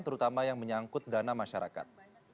terutama yang menyangkut dana masyarakat